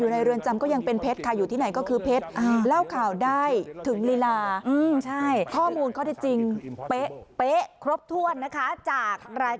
อยู่ในเรือนจำก็ยังเป็นเพชรใครอยู่ที่ไหนก็คือเพชร